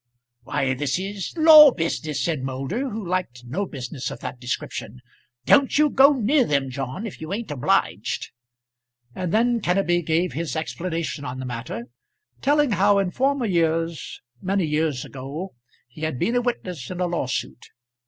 "Why, this is law business," said Moulder, who liked no business of that description. "Don't you go near them, John, if you ain't obliged." And then Kenneby gave his explanation on the matter, telling how in former years, many years ago, he had been a witness in a lawsuit.